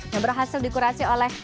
yang berhasil dikurasi oleh